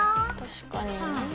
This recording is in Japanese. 確かに。